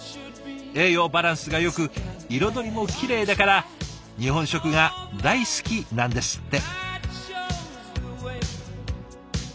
栄養バランスがよく彩りもきれいだから日本食が大好きなんですって。